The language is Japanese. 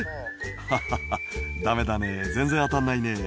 「ハハハダメだねぇ全然当たんないねぇ」